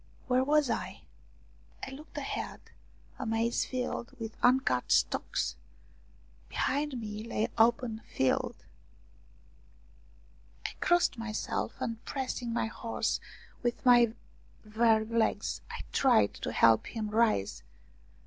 Where was I ? I looked ahead a maize field with uncut stalks ; behind me lay open field. I crossed myself, and pressing my horse with my weary legs, I tried to help him rise.